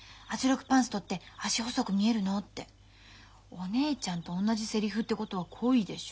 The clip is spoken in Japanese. お姉ちゃんと同じセリフってことは恋でしょ。